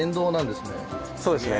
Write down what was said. そうですね。